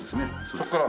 そこから？